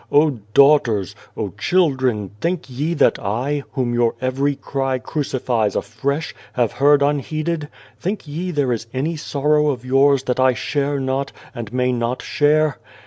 O daughters ! O children 297 A World think ye that I, whom your every cry crucifies afresh, have heard unheeded. Think ye there is any sorrow of yours that I share not, and may not share?